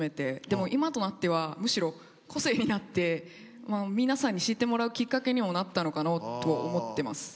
でも今となってはむしろ個性になって皆さんに知ってもらうきっかけにもなったのかなと思ってます。